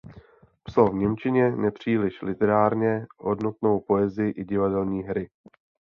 Psal v němčině nepříliš literárně hodnotnou poezii i divadelní hry.